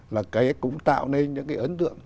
là cái cũng tạo nên những cái ấn tượng